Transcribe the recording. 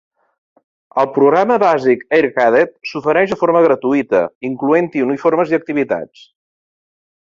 El programa bàsic Air Cadet s'ofereix de forma gratuïta, incloent-hi uniformes i activitats.